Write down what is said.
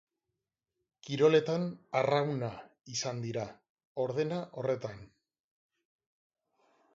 Kiroletan, arrauna izan dira, ordena horretan.